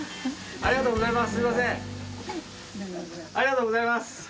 ありがとうございます！